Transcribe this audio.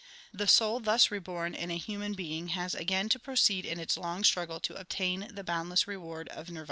The soul thus reborn in a human being has again to proceed in its long struggle to obtain the boundless reward of Nirvan.